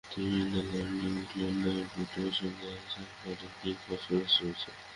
তিনি নির্ণয় করেন, নিউক্লিনে প্রোটিনের ন্যায় সালফার নেই কিন্তু ফসফরাস রয়েছে।